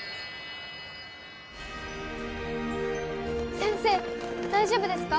先生大丈夫ですか？